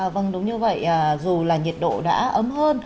vâng đúng như vậy dù là nhiệt độ đã ấm hơn